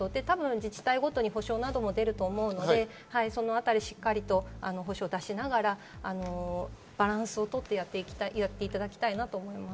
自治体ごとに補償も出ると思うので、その辺り補償を出しながらバランスを取ってやっていただきたいなと思います。